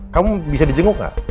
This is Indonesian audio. kamu bisa di jenguk gak